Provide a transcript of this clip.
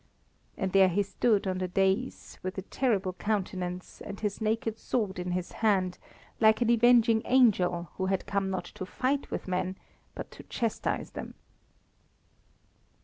And there he stood on the daïs, with a terrible countenance, and his naked sword in his hand, like an avenging angel who had come not to fight with men, but to chastise them.